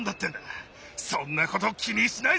そんなこと気にしないぜ！